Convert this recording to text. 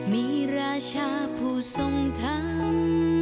มีราชาผู้ทรงธรรม